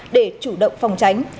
để chủ động phòng tránh